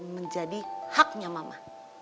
menjadi haknya mama